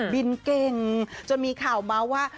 บินเก่งจนมีข่าวเมาส์ว่า